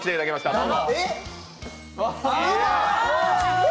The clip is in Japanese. どうぞ！